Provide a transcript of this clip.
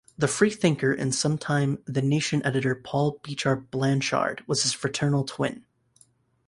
The freethinker and sometime "The Nation" editor Paul Beecher Blanshard was his fraternal twin.